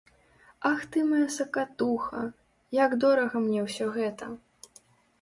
Ах ты мая сакатуха, як дорага мне ўсё гэта!